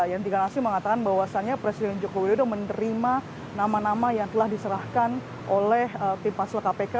yang tinggal nasib mengatakan bahwasannya presiden jokowi dodo menerima nama nama yang telah diserahkan oleh tim pansel kpk